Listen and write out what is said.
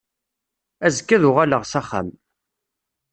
Azekka ad uɣaleɣ s axxam.